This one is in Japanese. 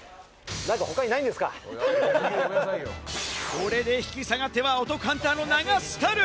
これで引き下がってはお得ハンターの名が廃る。